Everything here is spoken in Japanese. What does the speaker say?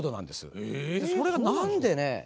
それが何でね